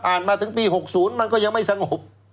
มาถึงปี๖๐มันก็ยังไม่สงบ